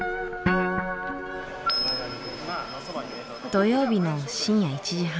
土曜日の深夜１時半。